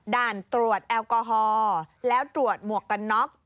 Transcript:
ด่านตรวจแอลกอฮอล์แล้วตรวจหมวกกันน็อก